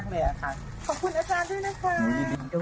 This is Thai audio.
ขอบคุณอาจารย์ด้วยนะคะ